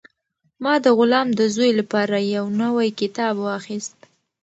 ما د غلام د زوی لپاره یو نوی کتاب واخیست.